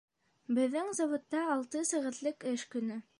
Беҙҙең заводта алты сәғәтлек эш көнө